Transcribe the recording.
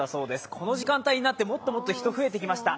この時間帯になって、もっともっと人、増えてきました。